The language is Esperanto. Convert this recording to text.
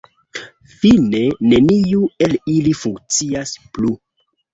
Fine, neniu el ili funkcias plu.